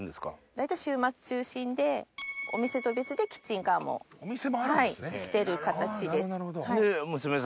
大体週末中心でお店と別でキッチンカーもしてる形です。